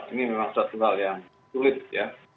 ini memang satu hal yang sulit ya